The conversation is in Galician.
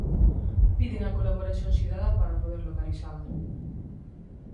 Piden a colaboración cidadá para poder localizala.